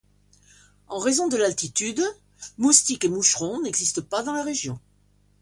En raison de l'altitude, moustiques et moucherons n'existent pas dans la région.